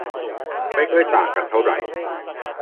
ไม่ค่อยต่างกันเท่าไหร่